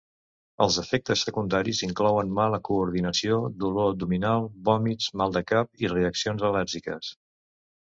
Els efectes secundaris inclouen mala coordinació, dolor abdominal, vòmits, mal de cap i reaccions al·lèrgiques.